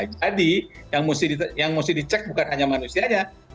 jadi yang mesti dicek bukan hanya manusianya